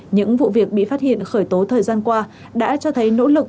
những vụ việc bị phát hiện khởi tố thời gian qua đã cho thấy nỗ lực